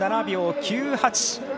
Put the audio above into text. ３７秒９８。